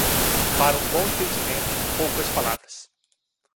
Para o bom entendimento, poucas palavras.